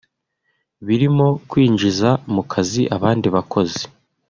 birimo kwinjiza mu kazi abandi bakozi